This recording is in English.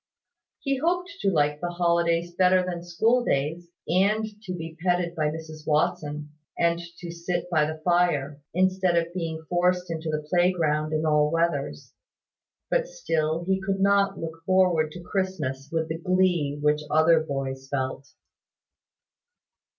He hoped to like the holidays better than school days, and to be petted by Mrs Watson, and to sit by the fire, instead of being forced into the playground in all weathers; but still he could not look forward to Christmas with the glee which other boys felt.